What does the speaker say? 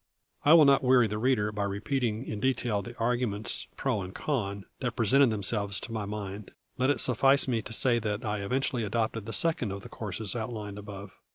I will not weary the reader by repeating in detail the arguments, pro and con, that presented themselves to my mind; let it suffice me to say that I eventually adopted the second of the courses outlined above.